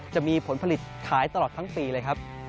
จะมีผลผลิตขายตลอดทั้งปีเลยครับ